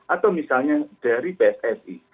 atau misalnya dari pssi